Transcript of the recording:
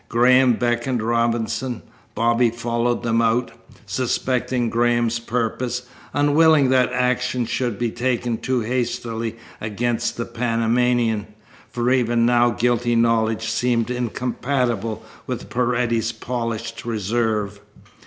Graham beckoned Robinson. Bobby followed them out, suspecting Graham's purpose, unwilling that action should be taken too hastily against the Panamanian; for even now guilty knowledge seemed incompatible with Paredes's polished reserve.